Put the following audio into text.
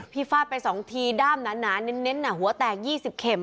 ฟาดไป๒ทีด้ามหนาเน้นหัวแตก๒๐เข็ม